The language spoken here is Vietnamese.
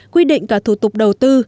quy định cả thủ tục đầu tư